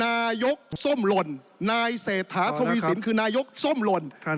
นายกส้มหล่นนายเศรษฐาทวีสินคือนายกส้มหล่น